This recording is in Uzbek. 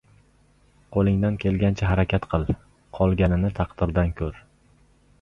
• Qo‘lingdan kelgancha harakat qil, qolganini taqdirdan ko‘r.